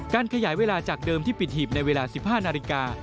ขยายเวลาจากเดิมที่ปิดหีบในเวลา๑๕นาฬิกา